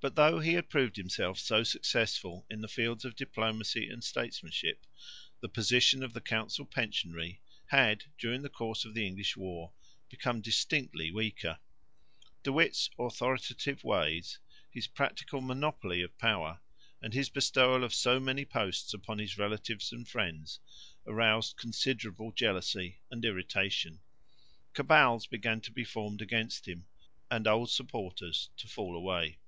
But, though he had proved himself so successful in the fields of diplomacy and statesmanship, the position of the council pensionary had, during the course of the English war, become distinctly weaker. De Witt's authoritative ways, his practical monopoly of power, and his bestowal of so many posts upon his relatives and friends, aroused considerable jealousy and irritation. Cabals began to be formed against him and old supporters to fall away.